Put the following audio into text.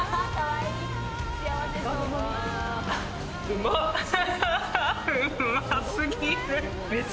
うまっ！